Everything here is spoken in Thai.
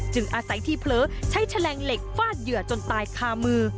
อาศัยที่เผลอใช้แฉลงเหล็กฟาดเหยื่อจนตายคามือ